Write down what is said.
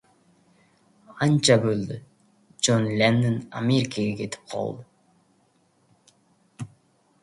— Ancha bo‘ldi. Jon Lennon Amerikaga ketib qoldi.